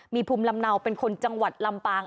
มีภูมิลำเนาเป็นคนจังหวัดลำปาง